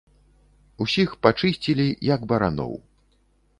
Усіх пачысцілі, як бараноў.